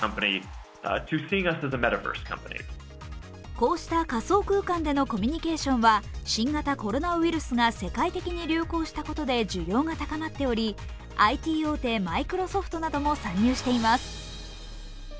こうした仮想空間でのコミュニケーションは新型コロナウイルスが世界的に流行したことで需要が高まっており、ＩＴ大手マイクロソフトなども参入しています。